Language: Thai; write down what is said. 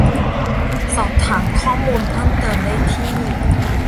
สอบถามข้อมูลเพิ่มเติมได้ที่